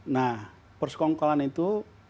nah persekongkolan itu